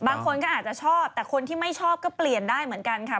บางคนก็อาจจะชอบแต่คนที่ไม่ชอบก็เปลี่ยนได้เหมือนกันค่ะ